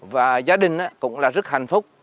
và gia đình cũng là rất hạnh phúc